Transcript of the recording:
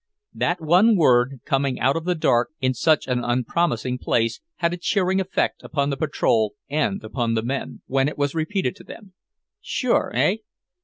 That one word, coming out of the dark in such an unpromising place, had a cheering effect upon the patrol, and upon the men, when it was repeated to them. "Sure, eh?"